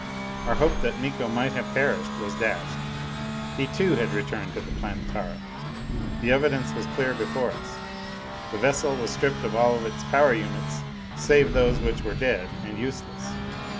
Our hope that Miko might have perished was dashed. He too had returned to the Planetara! The evidence was clear before us. The vessel was stripped of all its power units save those which were dead and useless.